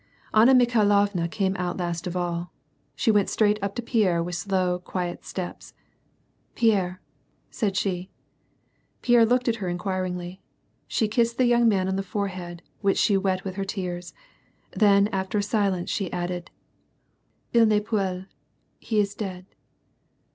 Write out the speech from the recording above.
Anna Mikhailovna came out last of all. She went straight up to Pierre, with slow, quiet steps :" Pierre !" said she. Pierre looked at her inquiringly. She kissed the young man on the forehead, which she wet with her tears. Then after a silence she added, —•"// n' est plusy he is dead."